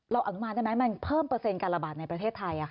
เราออกมาด้วยไหมมันเพิ่มเปอร์เซ็นต์การระบาดในประเทศไทย